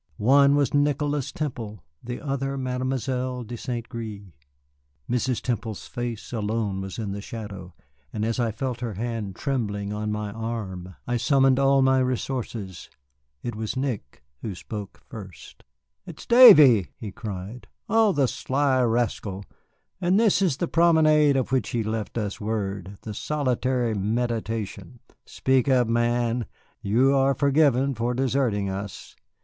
One was Nicholas Temple, the other, Mademoiselle de St. Gré. Mrs. Temple's face alone was in the shadow, and as I felt her hand trembling on my arm I summoned all my resources. It was Nick who spoke first. "It is Davy!" he cried. "Oh, the sly rascal! And this is the promenade of which he left us word, the solitary meditation! Speak up, man; you are forgiven for deserting us."